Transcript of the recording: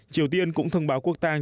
triều tiên cũng thông báo quốc tàng